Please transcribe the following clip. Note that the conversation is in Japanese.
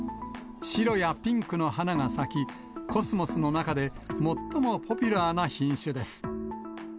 白やピンクの花が咲き、コスモスの中で最もポピュラーな品種です。